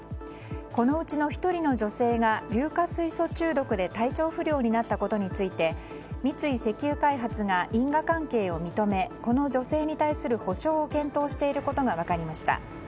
このうちの１人の女性が硫化水素中毒で体調不良になったことについて三井石油開発が因果関係を認めこの女性に対する補償を検討していることが分かりました。